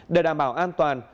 để đảm bảo an toàn